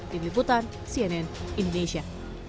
dini putan cnn indonesia